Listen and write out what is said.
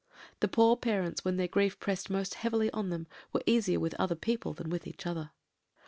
The poor parents, when their grief pressed most heavily on them, were easier with other people than with each other.